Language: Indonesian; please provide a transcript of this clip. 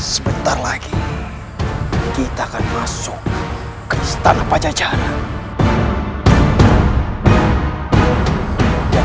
sebentar lagi kita akan masuk ke istana pajajaran